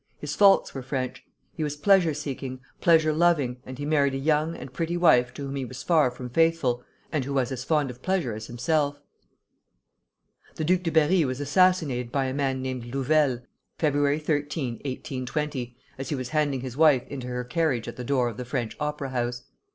His faults were French. He was pleasure seeking, pleasure loving, and he married a young and pretty wife to whom he was far from faithful, and who was as fond of pleasure as himself. The Duc de Berri was assassinated by a man named Louvel, Feb. 13, 1820, as he was handing his wife into her carriage at the door of the French Opera House.